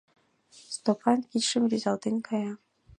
Стопан кидшым рӱзалтен кая.